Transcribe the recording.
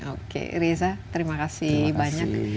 oke reza terima kasih banyak